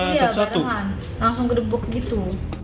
iya barengan langsung gedebuk gitu